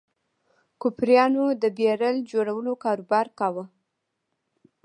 کوپریانو د بیرل جوړولو کاروبار کاوه.